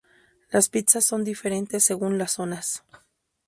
Las pizzas son diferentes según las zonas.